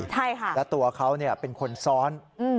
และตัวเขาเนี่ยเป็นคนซ้อน